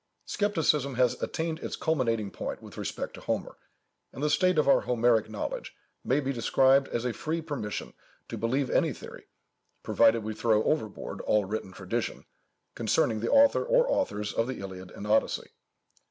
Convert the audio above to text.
_ Scepticism has attained its culminating point with respect to Homer, and the state of our Homeric knowledge may be described as a free permission to believe any theory, provided we throw overboard all written tradition, concerning the author or authors of the Iliad and Odyssey.